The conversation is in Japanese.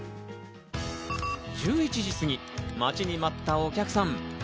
１１時過ぎ、待ちに待ったお客さん。